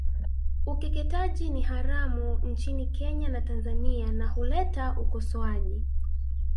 Ukeketaji ni haramu nchini Kenya na Tanzania na huleta ukosoaji